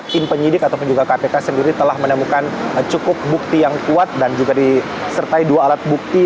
tim penyidik ataupun juga kpk sendiri telah menemukan cukup bukti yang kuat dan juga disertai dua alat bukti